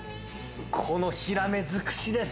このヒラメ尽くしです。